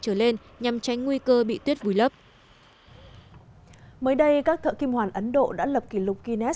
trở lên nhằm tránh nguy cơ bị tuyết vùi lấp mới đây các thợ kim hoàn ấn độ đã lập kỷ lục guinness